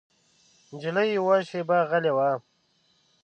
نجلۍ يوه شېبه غلې وه.